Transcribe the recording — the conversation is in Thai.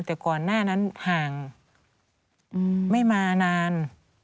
แต่ก่อนหน้านั้นห่างไม่มานาน